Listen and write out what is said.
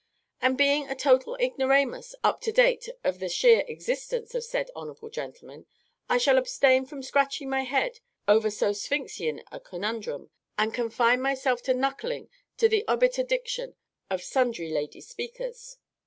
_' and being a total ignoramus up to date of the sheer existence of said hon'ble gentleman, I shall abstain from scratching my head over so Sphinxian a conundrum, and confine myself to knuckling to the obiter diction of sundry lady speakers.